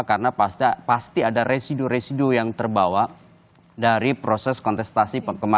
karena pasti ada residu residu yang terbawa dari proses kontestasi kementerian